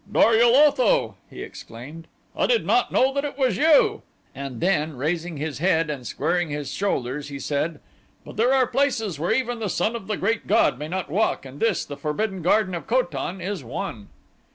"Dor ul Otho!" he exclaimed, "I did not know that it was you," and then, raising his head and squaring his shoulders he said, "but there are places where even the son of the Great God may not walk and this, the Forbidden Garden of Ko tan, is one."